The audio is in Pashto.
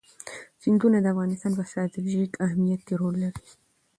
سیندونه د افغانستان په ستراتیژیک اهمیت کې رول لري.